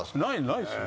ないですよ。